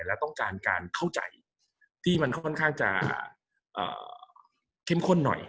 และต้องการการเข้าใจที่มันค่อนข้างจะเข้มข้นหน่อย